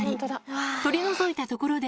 取り除いたところで。